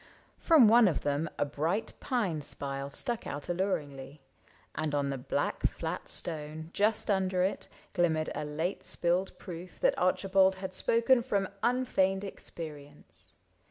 From one of them A bright pine spile stuck out alluringly, And on the black flat stone, just under it, Glimmered a late spilled proof that Archibald Had spoken from unfeigned experience.